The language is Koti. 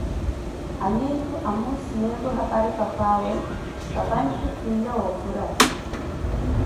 Haamitu amuziyeevo hapari papaawe, papantto kwiya wa ofurahi